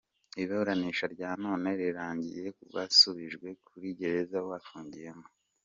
Iburanisha rya none rirangiye basubijwe kuri gereza bafungiyemo